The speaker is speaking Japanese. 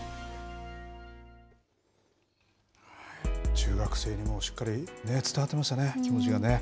中学生にもしっかり伝わっていましたね気持ちがね。